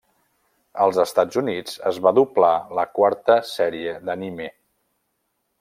Als Estats Units es va doblar la quarta sèrie d'anime.